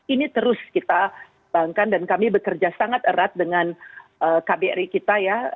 ini terus kita bangkan dan kami bekerja sangat erat dengan kbri kita ya